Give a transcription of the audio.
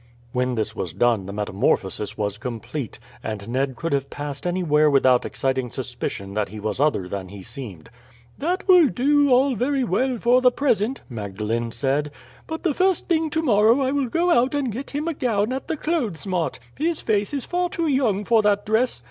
When this was done the metamorphosis was complete, and Ned could have passed anywhere without exciting suspicion that he was other than he seemed. "That will do all very well for the present," Magdalene said; "but the first thing tomorrow I will go out and get him a gown at the clothes mart. His face is far too young for that dress.